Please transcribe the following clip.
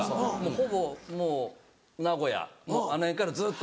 ほぼもう名古屋あの辺からずっと。